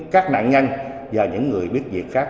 các nạn nhân và những người biết việc khác